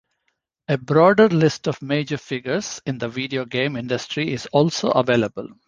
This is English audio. A broader list of major figures in the video game industry is also available.